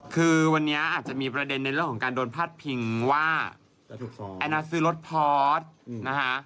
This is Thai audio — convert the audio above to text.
คือวันนี้อาจจะมีประเด็นในเรื่องของการโดนพาดพิงว่าแอนนาซื้อรถพอร์ตนะคะ